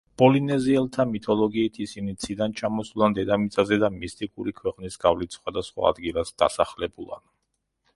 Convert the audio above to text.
პოლინეზიელთა მითოლოგიით, ისინი ციდან ჩამოსულან დედამიწაზე და მისტიკური ქვეყნის გავლით სხვადასხვა ადგილას დასახლებულან.